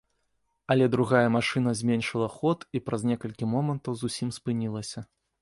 Але другая машына зменшыла ход і праз некалькі момантаў зусім спынілася.